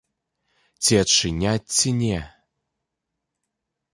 Ці адчыняць, ці не?